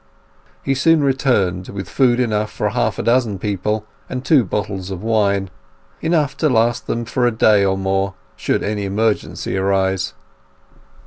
He soon returned, with food enough for half a dozen people and two bottles of wine—enough to last them for a day or more, should any emergency arise.